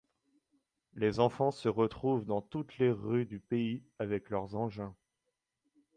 Les enfants se retrouvent dans toutes les rues du pays avec leurs engins.